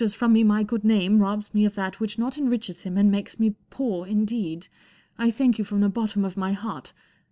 But he that filches from me my good name robs me of that which not enriches him and makes me poor indeed* I thank you from the bottom of my heart.